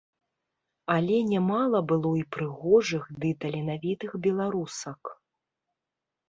Але нямала было і прыгожых ды таленавітых беларусак.